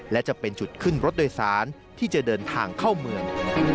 และจะเป็นจุดขึ้นรถโดยสารที่จะเดินทางเข้าเมือง